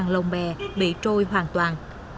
bốn mươi bốn lồng bè bị trôi hoàn toàn